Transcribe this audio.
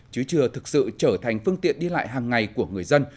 chứ chưa thực sự trở thành phương tiện đi lại hàng ngày của người dân